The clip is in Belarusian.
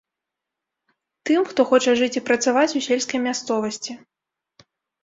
Тым, хто хоча жыць і працаваць у сельскай мясцовасці.